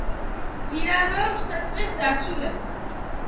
მიმდინარეობს ხე-ტყის დაცურება.